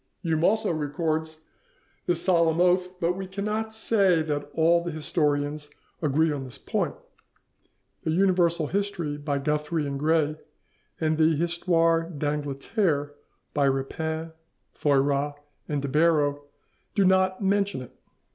Hume also records this solemn oath, but we cannot say that all the historians agree on this point. 'The Universal History' by Guthrie and Gray, and the 'Histoire d'Angleterre' by Rapin, Thoyras and de Barrow, do not mention it.